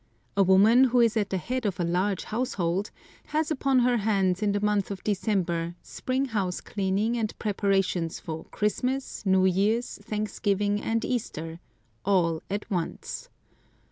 A woman who is at the head of a large household has upon her hands in the month of December spring house cleaning and preparations for Christmas, New Year's, Thanksgiving, and Easter, all at once.